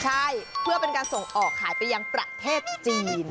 ใช่เพื่อเป็นการส่งออกขายไปยังประเทศจีน